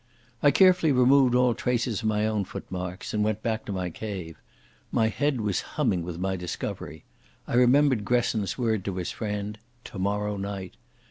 I carefully removed all traces of my own footmarks, and went back to my cave. My head was humming with my discovery. I remembered Gresson's word to his friend: "Tomorrow night."